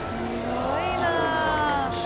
すごいな！